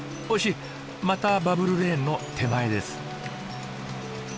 またバブルレーンの手前です。